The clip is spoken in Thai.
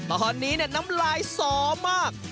อาหารนี้น้ำลายสอมาก